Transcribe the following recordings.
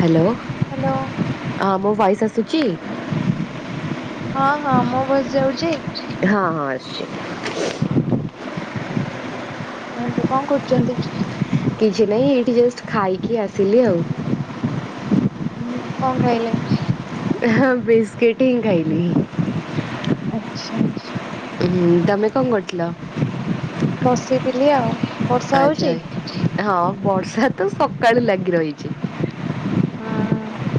Hello hello ହଁ ମୋ voice ଆସୁଛି। ହଁ ହଁ ମୋ ଭଏଜ୍ ଯାଉଚି। ହଁ ହଁ ଆସୁଛି। [unintelligible] କଣ କରୁଚନ୍ତି। କିଛି ନହିଁ ଏଇଠି ଜଷ୍ଟ ଖାଇକି ଆସିଲି ଆଉ। ହୁଁ କଣ ଖାଇଲେ। ହଁ ବିସ୍କିଟିଂ ହିଁ ଖାଇବି। ଆଚ୍ଛା। ଉଁ ତମେ କଣ କରୁଥିଲ? ବସିଥିଲି ଆଉ। ବର୍ଷା ହଉଛି? ଆଚ୍ଛା ଆ ହଁ ବର୍ଷା ତ ସକାଳୁ ଲାଗି ରହିଚି। ହଁ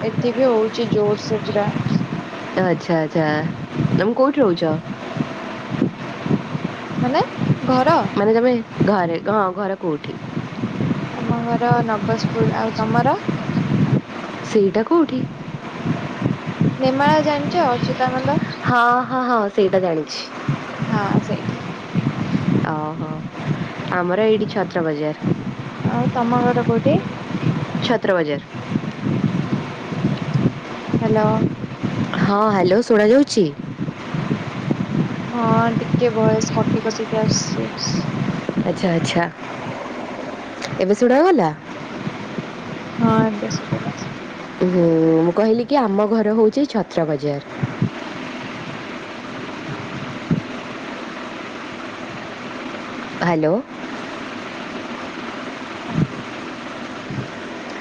ଏଠ ବି ହଉଚି ଜୋରସେ ପୁରା। ଆଚ୍ଛା ଆଚ୍ଛା ତମେ କଉଠି ରହୁଚ? ମାନେ ଘର? ତମେ ଘରେ ହଁ ଘର କଉଠି? ଆମ ଘର ନଗଜପୁର ଆଉ ତମର? ସେଇଟା କୋଉଠି? ନେମାଳ ଜାଣିଚ ଅଚୁ ତା ମୁନ ହଁ ହଁ ହଁ ସେଇଟା ଜାଣିଛି ହଁ ସେଇଠୀ। ଓହୋ ଆମର ଏଇଠି ଛତ୍ର ବଜାର। ଆଉ ତମ ଘର କୋଉଠି? ଛତ୍ରବଜାର। ହାଲୋ। ହଁ ହାଲୋ ଶୁଣା ଯାଉଚି? ହଁ ଟିକେ ଭୟସ କଟି କଟିକି ଆସୁଚି। ଆଛା ଆଛା ଏବେ ଶୁଣା ଗଲା? ହଁ ଏବେ ଶୁଭିଲା। ହୁଁ, ମୁଁ କହିଲି କି ଆମ ଘର ହେଉଚି ଛତ୍ର ବଜାର। ହାଲୋ।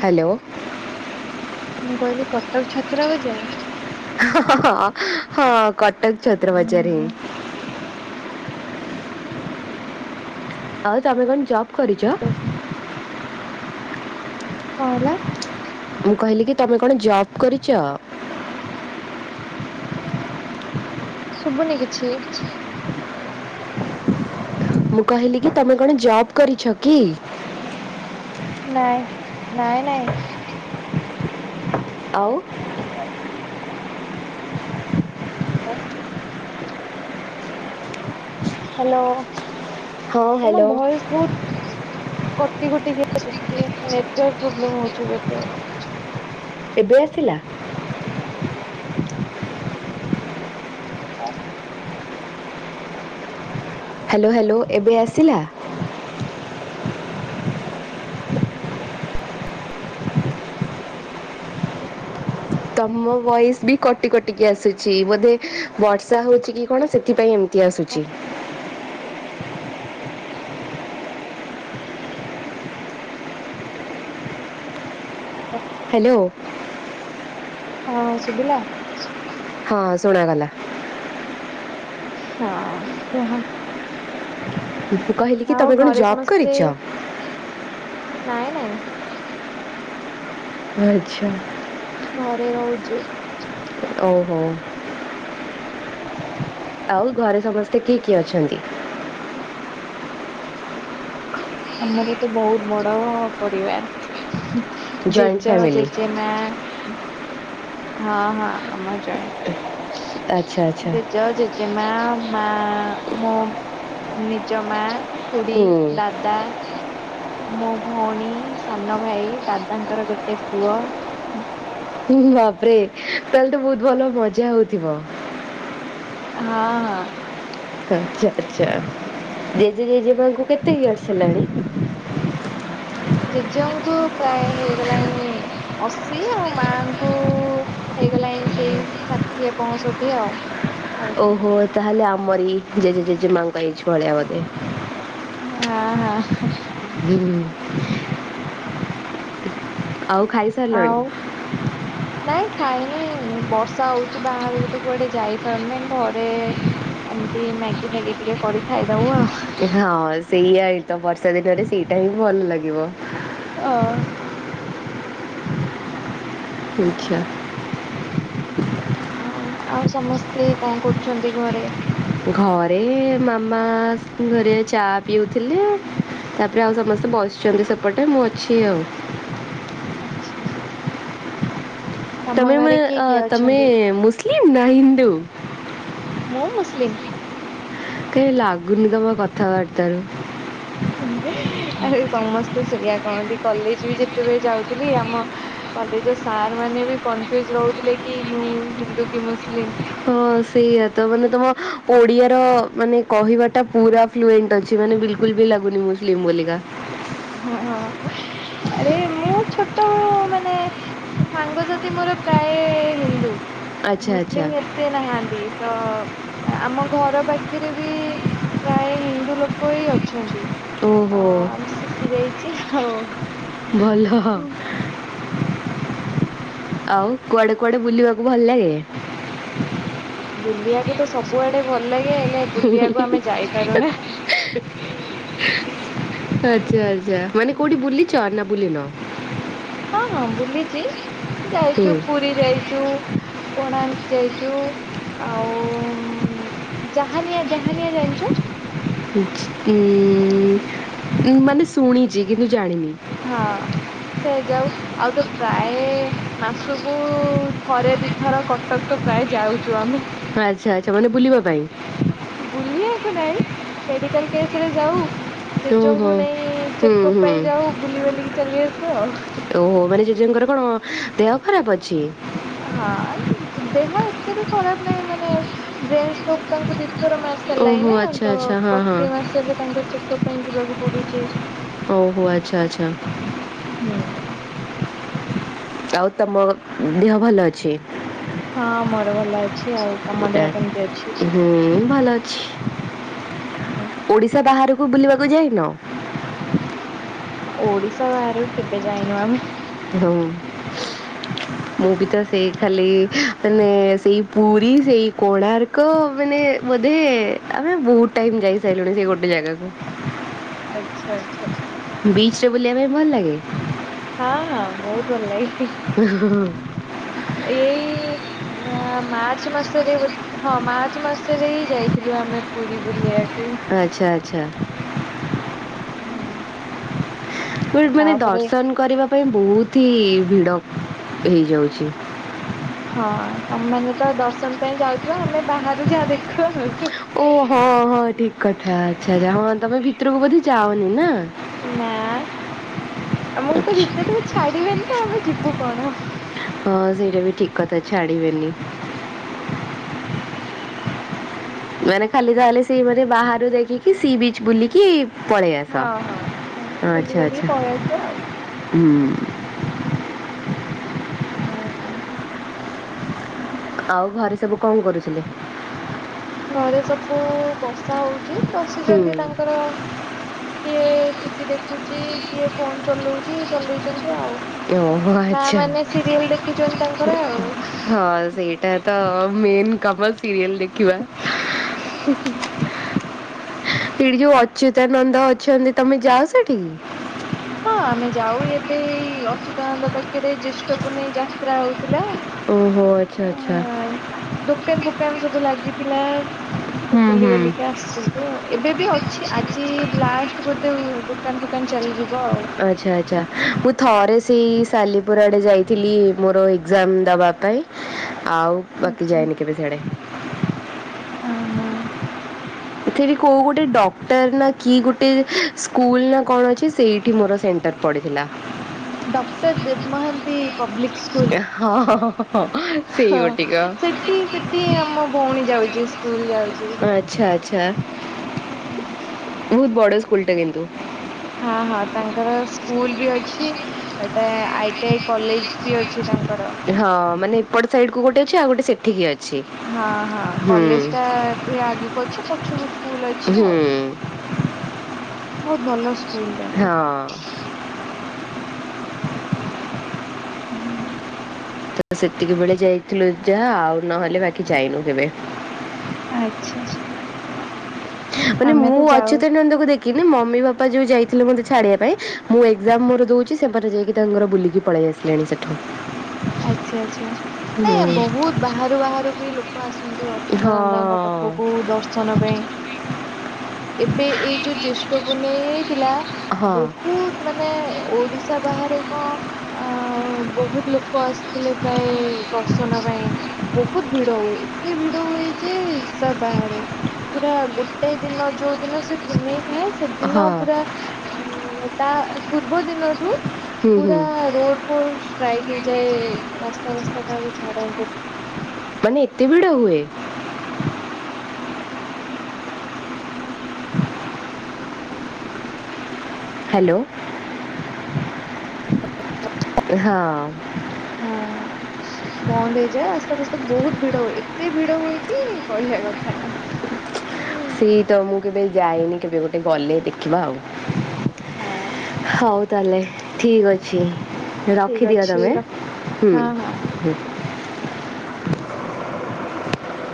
ହାଲୋ। ମୁଁ କହିଲି କଟକ ଛତ୍ର ବଜାର? ହଁ ହଁ କଟକ ଉଁ ଛତ୍ର ବଜାରେ। ହୁଁ। ଆଉ ତମେ କଣ ଜବ୍ କରିଚ? କଣ ହେଲା? ମୁଁ କହିଲି କି ତମେ କଣ ଜବ କରିଚ? ଶୁଭୁନି କିଛି? ମୁଁ କହିଲି କି ତମେ କଣ ଜବ କରିଛ କି? ନାଇଁ ନାଇଁ ନାଇଁ। ଆଉ? ଜ୍ଞା। ହାଲୋ। ହଁ ତମ ହ୍ୟାଲୋ ଭଏସ୍ ବହୁତ କଟି କଟିିକି [unintelligible] ପ୍ରୋବ୍ଲେ ହଉଚି ବୋଧେ। ଏବେ ଆସିଲା? [unintelligible] ହାଲୋ ହାଲୋ ଏବେ ଆସିଲା? ତମ ଭଏସ୍ ବି କଟି କଟିକି ଆସୁଚି ବୋଧେ ବର୍ଷା ହଉଚି କି କଣ ସେଥିପାଇଁ ଏମତି ତି ଆସୁଚି? ହାଲୋ। ହଁ ଶୁଭିଲା? ହଁ ଶୁଣାଗଲା। ହଁ କୁହ। ମୁ କହିଲି କି ଆଉ ତମେ କଣ ଘରେ ଜବ ସମସ୍ତେ କରିଚ? ନାଇଁ ନାଇଁ। ଆଚ୍ଛା। ଘରେ ରହୁଚି। ଓଃହୋ। ଆଉ ଘରେ ସମସ୍ତେ କିଏ କିଏ ଅଛନ୍ତି? ଆମର ତ ବହୁତ ବଡ ପରିବାର। ଜଏଣ୍ଟ ଜେଜ, ଫ୍ୟାମିଲି ଜେଜେମାଆ। ଉଁ ହଁ ହଁ ଆମ ଜଏଣ୍ଟ ଆଚ୍ଛା ଫାମିଲ୍। ଆଚ୍ଛା ଜେଜ, ଜେଜେମାଆ ମା ମୋ ନିଜ ମା, ଖୁଡ଼ି, ହୁଁ ଦାଦା ମୋ ଭଉଣୀ, ସାନଭାଇ, ଦାଦାଙ୍କର ଗୋଟେ ପୁଅ। ଉଁ ହୁଁ ବାପରେ ତାହେଲେ ତ ବହୁତ ଭଲ ମଜା ହଉଥିବ? ହଁ ହଁ। ଆଚ୍ଛା ଆଚ୍ଛା। ଜେଜେ, ଜେଜେମାଆଙ୍କୁ କେତେ ଇୟର୍ସ ହେଲାଣି? ଜେଜଙ୍କୁ ପ୍ରାୟ ହେଇଗଲାଇଁ ଅଶି। ଆଉ ମାଆଙ୍କୁ ହେଇଗଲାଇଁ ସେଇ ଷାଠିଏ ପଅଁଷଠି ଆଉ। ପାଖାପାଖି ଓହୋ ତାହେଲେ ଆମରି ଜେଜେ ଜେଜେମାଆଙ୍କ ଏଜ୍ ଭଳିଆ ବୋଧେ। ଆଃ ହ। ହୁଁ। ଆଉ ଖାଇ ସାରିଲଣି? ଆଉ ନାଇଁ ଖାଇନି ବର୍ଷା ହଉଚି ବାହାରକୁ ତ କୁଆଡେ ଯାଇପାରୁନି। ଘରେ ଏମିତି ମ୍ୟାଗି ଫ୍ୟାଗି ଟିକେ କରି ଖାଇ ହଁ ସେଇଆ ହିଁ ତ। ବର୍ଷା ଦିନରେ ସେଇଟା ହିଁ ଭଲ ଲାଗିବ। ଅ ହେଇଛା ଆଉ ଆଉ ସମସ୍ତେ କଣ କରୁଚନ୍ତି ଘରେ? ଘରେ ମାମା ଘରିଆ ଚା ପିଉଥିଲେ। ତା ପରେ ଆଉ ସମସ୍ତେ ବସିଚନ୍ତି ସେପଟେ ମୁଁ ଅଛି ଆଉ। ଆଚ୍ଛା। ତମ ତମେ ଘରେ ମମ୍ କିଏ ଆ କିଏ ତମେ ଅଛନ୍ତି ମୁସଲିମ୍ ନା ହିନ୍ଦୁ? ସ୍ଲିମ୍ କାହିଁ ଲାଗୁନି ତମ କଥାବାର୍ତ୍ତାରୁ। [unintelligible] ଆରେ ସମସ୍ତେ ସେଇଆ କହନ୍ତି। କଲେଜ ବି ଯେତେବେଳେ ଯାଉଥିଲି ଆମ କଲେଜର ସାର୍ ମାନେ ମେ ବି କନଫ୍ୟୁଜ୍ ରହୁଥିଲେ କି ମୁଁ ହିନ୍ଦୁ କି ମୁସଲିମ୍। ହଁ ସେଇଆ ତ ମାନେ ତମ ଓଡିଆର ମାନେ କହିବା ଟା ପୁରା ଫ୍ଲୁଏଣ୍ଟ ଅଛି। ମାନେ ବିଲକୁଲ ବି ଲାଗୁନି ମୁସଲିମ୍ ବୋଲି କା। ହଁ ଆରେ ମୁଁ ଛୋଟବେଳୁ ମାନେ ସାଙ୍ଗସାଥି ମୋର ପ୍ରାୟ ହିନ୍ଦୁ। ଆଚ୍ଛା ଆଚ୍ଛା ମୁସଲିମ୍ ଏତେ ନାହାନ୍ତି। ତ ଆମ ଘର ପାଖରେ ବି ପ୍ରାୟ ହିନ୍ଦୁ ଲୋକ ଇ ଅଛନ୍ତି। ଓଃହୋ। ଦେଇଚି ହାଉ ଭଲ। ଆଉ କୁଆଡେ କୁଆଡେ ବୁଲିବାକୁ ଭଲ ଲାଗେ? ବୁଲିଆକୁ ତ ସବୁଆଡେ ଭଲ ଲାଗେ। ହେଲ ଲେ ବୁଲିବାକୁ ଆମେ ଯାଇପାରୁ ନା। ଆଚ୍ଛା ଆଚ୍ଛା ମାନେ କୋଉଠି ବୁଲିଚ ନା ବୁଲି ନ। ହଁ ହଁ ବୁଲିଚି ହୁଁ ଯାଇଚୁ ପୁରୀ ଯାଇଚୁ କୋଣାକ୍ ଯାଇଚୁ ଆଉ ଉଁ ଜାହାନିଆ ଜାହାନିଆ ଜାଣିଚ? ହିଚିକ୍ ଉଁ ମାନେ ଶୁଣିଚି କିନ୍ତୁ ଜାଣିନି। ହଁ। ସେ ଯାଉ ଆଉ ତ ପ୍ରାୟ ମାସକୁ ଥରେ ଦି ଥର କଟକ ତ ପ୍ରାୟ ଯାଉଚୁ ଆମେ। ଆଚ୍ଛା ଆଚ୍ଛା ମାନେ ବୁଲିବା ପାଇଁ ବୁଲିଆ [unintelligible] ନାଇଁ ମେଡିକାଲ କେଶ୍ ରେ ଯାଉ ଜେଜେଙ୍କୁ ଓହୋ। ନେଇ ହୁଁ ଚେକଅପ ପାଇଁ ହୁଁ। ଯାଉ କି ଚାଲି ଆସୁ ଆଉ। ଓହୋ ମାନେ ଜେଜେଙ୍କର କଣ ଦେହ ଖରାପ ଅଛି? ହଁ ଦେହ ଏତେ ବି ଖରାପ ନାହିଁ ମାନେ ବ୍ରେନ ଷ୍ଟ୍ରୋକ ତାଙ୍କୁ ଦି ଥର ମାର ସାରିଲାଇଁ ଓହୋ ନା ଆଚ୍ଛା ତ ଆଚ୍ଛା ହଁ ପ୍ରତି ମାସରେ ତାଙ୍କ ଚେକଅପ ପାଇଁ ଯିବାକୁ ପଡୁଛି। ଓହୋ ଆଚ୍ଛା ଆଚ୍ଛା। ହୁଁ ଆଉ ତମ ଦିହ ଭଲ ଅଛି? ହଁ ମୋର ଭଲ ଅଛି ଆଉ। ତମ ଟା ଦେହ କେମିତି ଅଛି? ହୁଁ ଭଲ ଅଛି ହୁଁ ଓଡିଶା ବାହାରୁ କୁ ବୁଲିବାକୁ ଯାଇନ? ଓଡିଶା ବାହାରୁକୁ କେବେ ଯାଇନୁ ଆମେ। ହଉ। ମୁଁ ବି ତ ସେଇ ଖାଲି ମାନେ ସେଇ ପୁରୀ ସେଇ କୋଣାର୍କ ମାନେ ବୋଧେ ଆମେ ବହୁତ ଟାଇମ ଯାଇ ସାଇଲୁଣି ସେଇ ଗୋଟେ ଜାଗାକୁ। ଆଚ୍ଛା ଆଚ୍ଛା। ବିଚରେ ବୁଲିଆ ପାଇଁ ଭଲ ଲାଗେ? ହଁ ହଁ ବହୁତ ଭଲ ଲାଗେ ଏଇ ନା ମାର୍ଚ୍ଚ ମାସରେ ବୋଧ୍ ହଁ ମାର୍ଚ୍ଚ ମାସରେ ହି ଯାଇଥିଲୁ ଆମେ ପୁରୀ ବୁଲିଆ ଆଚ୍ଛା ଆଚ୍ଛା। ହୁଁ। [unintelligible] ମାନେ ତାପରେ ଦର୍ଶନ କରିବା ପାଇଁ ବହୁତ ହି ଭିଡ ହେଇଯାଉଛି। ହଁ ତମ ମାନେ ତ ଦର୍ଶନ ପାଇଁ ଯାଉଥିବ ଆମେ ବାହାରୁ ଯାହା ଦେଖୁ ଆଉ। ଓହୋ ହଁ ହଁ ଠିକ କଥା ଆଚ୍ଛା ଆଛା ହଁ ତମେ ଭିତରକୁ ବୋଧେ ଯାଅନି ନା। ନା। ଆମକୁ ତ ଆଚ୍ଛା ଭିତରକୁ ଛାଡିବେନି ତ ଆମେ ଯିବୁ କଣ। ହଁ ସେଇଟା ବି ଠିକ କଥା ଛାଡିବେନି। ମାନେ ଖାଲି ତାହେଲେ ସେଇ ମାନେ ବାହାରୁ ଦେଖିକି ସି ବିଚ ବୁଲିକି ପଳେଇ ଆସ ହଁ ହଁ ଏଇ ବୁଲି ଆଚ୍ଛା ବାଲିକି ଆଚ୍ଛା। ପଳେଇ ଆସିବା ଆଉ। ହୁଁ। ହଁ ତ। ଆଉ ଘରେ ସବୁ କଣ କରୁଛନ୍ତି? ଘରେ ସବୁ ବର୍ଷା ହଉଛି ହୁଁ ବସିଛନ୍ତି ତାଙ୍କର କିଏ ଟିଭି ଦେଖୁଛି, କିଏ ଫୋନ ଚଲଉଛି ଚଲେଇଛନ୍ତି ଆଉ। ଓହୋ ମା ଆଚ୍ଛା ମାନେ ସିରିଏଲ ଦେଖୁଛନ୍ତି ତାଙ୍କର ଆଉ। ହଁ ସେଇଟା ତ ମେନ୍ କମଲ ସିରିଏଲ ଦେଖିବା। ଏଇଠି ଯୋଉ ଅଚ୍ୟୁତାନନ୍ଦ ଅଛନ୍ତି ତମେ ଯାଅ ସେଠିକି? ହଁ ଆମେ ଯାଉ ଏବେ ଏଇ ଅଚ୍ୟୁତାନନ୍ଦ ପାଖରେ ଜ୍ୟେଷ୍ଠ ପୁନେଇେ ଯାତ୍ରା ହଉ ଥିଲା ଓହୋ ଆଚ୍ଛା ଅ ଆଚ୍ଛା ଦୋକାନ ଫୋକାନ ସବୁ ଲାଗିଥିଲା। ଏମତି ହୁଁ ବୁଲି ହୁଁ ବାଲିକି ଆସୁଛୁ ଆଉ ଏବେ ବି ଅଛି ଆଜି ଲାଷ୍ଟ ବୋଧ ଧେ ଆଉ ଦୋକାନ ଫୋକାନ ଚାଲିଯିବ ଆଉ। ଆଚ୍ଛା ଆଚ୍ଛା ମୁଁ ଥରେ ସେଇ ସାଲିପୁର ଆଡେ ଯାଇଥିଲି ମୋର ଏକ୍ଜାମ ଦବା ପାଇଁ ଆଉ ବାକି ଯାଇନି କେବେ ସିଆଡେ। ଅ ହଁ। ଏଠିକି କୋଉ ଗୋଟେ ଡକ୍ଟର ନା କି ଗୋଟେ ସ୍କୁଲ ନା କଣ ଅଛି ସେଇଠି ମୋର ସେଣ୍ଟ ପଡ଼ିଥିଲା। ଡକ୍ଟର ଦେବ ମହାନ୍ତି ହଁ ହଁ ହଁ। ସେଇ ହଁ ଗୋଟିକ ସେଠି ସେଠି ଆମ ଭଉଣୀ ଯାଉଛି ସ୍କୁଲ ଯାଉଛି ସେ। ଆଚ୍ଛା ଆଚ୍ଛା। ଉଁ ହଁ। ବହୁତ ବଡ ସ୍କୁଲଟା କିନ୍ତୁ। ହଁ ହଁ ତାଙ୍କର ସ୍କୁଲ ବି ଅଛି ଏଟା ଆଇ ଟି ଆଇ କଲେଜ ବି ଅଛି ତା ହଁ ମାନେ ଏପଟ ସାଇଡ କୁ ଗୋଟେ ଅଛି ଆଉ ଗୋଟେ ସେଠିକି ଅ ହଁ ହଁ କଲେଜ ଟା ଟିକେ ଆଗକୁ ଅଛି ପଛକୁ ସ୍କୁଲ ଅଛି ଆଉ। ହୁଁ। ବହୁତ ଭଲ ସ୍କୁଲଟା ବି। ହଁ ହୁଁ। ତ ସେତିକି ବେଳେ ଯାଇଥିଲୁ ଯାହା ଆଉ ନହେଲେ ବାକି ଯାଇନୁ କେବେ। ଆଚ୍ଛା। ମାନେ ଆମେ ମୁଁ ତ ଯାଉ ଅଚୁତା ନନ୍ଦକୁ ଦେ କିମି ମମି ବାପା ଯୋଉ ଯାଇଥିଲେ ମୋତେ ଛାଡିବା ପାଇଁ ମୁଁ ଏକ୍ଜାମ ମୋର ଦଉଛି ସେପଟେ ଯାଇକି ତାଙ୍କର ବୁଲିକି ପଳେ ଏ ଆସିଲେଣି ସେଠୁ। ଆଚ୍ଛା ଆଚ୍ଛା ହଁ ଆଜ୍ଞା ବହୁତ ବାହାରୁ ବାହାରୁ ବି ଲୋକ ଆସନ୍ତି ଅଚ୍ୟୁତାନନ୍ଦଙ୍କ କଥା ପାଖକୁ ଦର୍ଶନ ପାଇଁ। ଏବେ ଏଇ ଯୋଉ ଜ୍ୟେଷ୍ଠ ପୁନେଇ ହେଇଥିଲା ହଁ ବହୁତ ମାନେ ଓଡିଶା ବା ଆଁ ରେ ଏକ ଅ ବହୁତ ଲୋ ଲୋକ ଆସିଥିଲେ ପ୍ରାୟେ ଦର୍ଶନ ପାଇଁ ବହୁତ ଭିଡ ହୁଏ ଏତେ ଭିଡ ହୁଏ ଯେ ହିସାବ ବାହାରେ ପୁରା ଗୋଟେ ଦିନ ଯୋଉ ଦିନ ସେ ପୁନେଇ ଥାଏ ସେଦିନ ହଁ ପୁରା ଉଁ ତା ପୂର୍ବ ଦିନଠୁ। ହୁଁ ପୁରା ହୁଁ ରୋଡ ଫୋଡ ଷ୍ଟ୍ରାଇକ। ଏ ରାସ୍ତା ଫାସ୍ତା କାହାକୁ ଛାଡନ୍ତି ମାନେ ଏତେ ଭିଡ ହୁଏ। ହାଲୋ। [inaudible] ଏ ହଁ। ହଁ। ହଁ ବନ୍ଦ ହେଇଯାଏ ଆସ୍ତବ୍ୟସ୍ତ ବହୁତ ଭିଡ ହୁଏ ଏତେ ଭିଡ ହୁଏ କି କହିବା କଥା ନୁହ [inaudible] ସେଇ ତ ମୁଁ କେବେ ଯାଏନି କେବେ ଗୋଟେ ଗଲେ ଦେଖିବା ଆଉ। ହଁ। ହଉ ତାହେଲେ ଠିକ ଅଛି ଠିକ ରଖିଦିଅ ଅଛି ତମେ ରଖ ହୁଁ ହଁ ହଁ। ହୁଁ